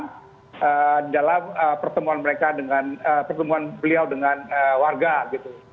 dan dalam pertemuan mereka dengan pertemuan beliau dengan warga gitu